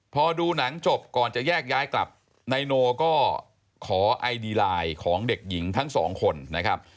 พอดูหนังจบก่อนจะแยกย้ายกลับนายโนก็ขอไอดีไลน์ของเด็กหญิงทั้งสองคนนะครับ